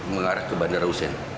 mengarah ke bandara hussein